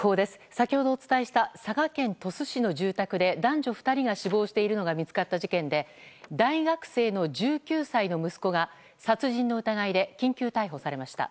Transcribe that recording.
先ほどお伝えした佐賀県鳥栖市の住宅で男女２人が死亡しているのが見つかった事件で大学生の１９歳の息子が殺人の疑いで緊急逮捕されました。